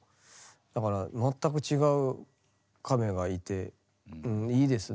だから全く違う亀がいてうんいいですね